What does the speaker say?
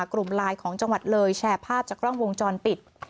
กลุ่มไลน์ของจังหวัดเลยแชร์ภาพจากกล้องวงจรปิด